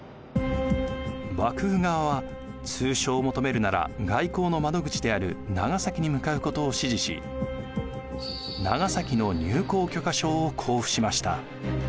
幕府側は通商を求めるなら外交の窓口である長崎に向かうことを指示し長崎の入港許可証を交付しました。